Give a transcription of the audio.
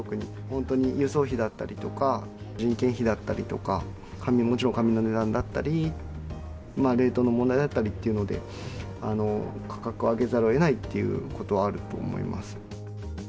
本当に輸送費だったりとか、人件費だったりとか、紙、もちろん紙の値段だったり、レートの問題だったりっていうので、価格を上げざるをえないっていうことはあると思います。